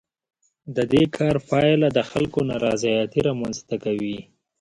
د دې کار پایله د خلکو نارضایتي رامنځ ته کوي.